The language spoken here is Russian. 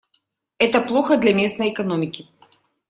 Это плохо для местной экономики.